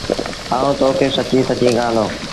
آئوٚنٚ تو کي سچيٚݩ سچيٚݩ ڪهآندو